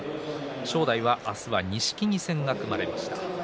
正代、明日は錦木戦が組まれました。